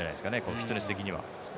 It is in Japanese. フィットネス的には。